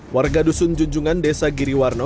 warga dusun junjungan desa giriwarno